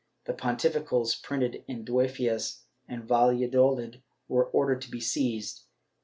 Jime 15, 1568, the Pontificals printed in Dueiias and Valladolid were ordered to be seized.